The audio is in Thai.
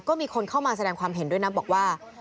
ก็มีคนเข้ามาแสดงความเห็นด้วยนะบอกว่า